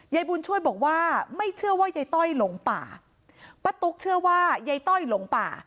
ยายบุญช่วยบอกว่าไม่เชื่อว่ายายต้อยหลงป่าป้าตุ๊กเชื่อว่ายายต้อยหลงป่า